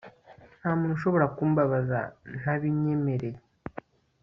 nta muntu ushobora kumbabaza ntabinyemereye